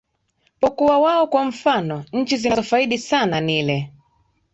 pokuwa wao kwa mfano nchi zinazofaidi sana nile